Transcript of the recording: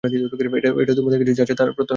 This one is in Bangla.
এটা তোমাদের কাছে যা আছে তার প্রত্যয়নকারী।